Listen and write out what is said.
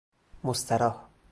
مستراح